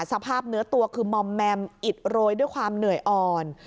สภาพเนื้อตัวคือมอมแมมอิดโรยด้วยความเหนื่อยอ่อน